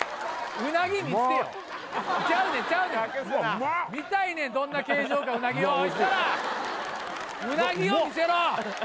うなぎ見せてよちゃうねんちゃうねん見たいねんどんな形状かうなぎをおい設楽うなぎを見せろ！